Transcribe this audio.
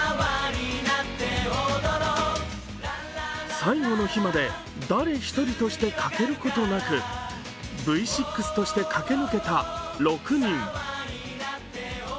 最後の日まで誰一人として欠けることなくＶ６として駆け抜けた６人。